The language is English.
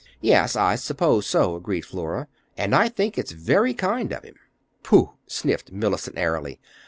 "Yes, I suppose so," agreed Flora. "And I think it's very kind of him." "Pooh!" sniffed Mellicent airily.